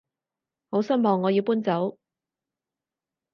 好失望我要搬走